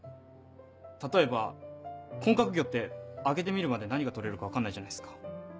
例えば混獲魚って揚げてみるまで何が取れるか分かんないじゃないっすか。